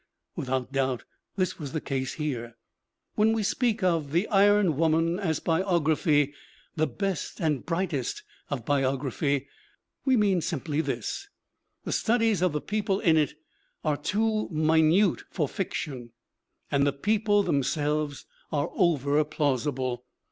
Without doubt this was the case here. When we speak of The Iron Woman as biog MARGARET DELAND 85 raphy, the best and brightest of biography, we mean simply this : The studies of the people in it are too minute for fiction and the people themselves are over plausible.